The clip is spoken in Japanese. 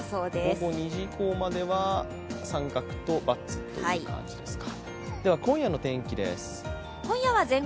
午後２時以降までは△と×という感じですか。